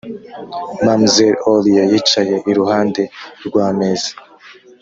mamzelle aurlie yicaye iruhande rw'ameza.